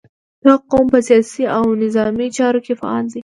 • دا قوم په سیاسي او نظامي چارو کې فعال دی.